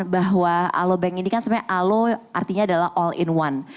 bahwa alobank ini kan sebenarnya alo artinya adalah all in one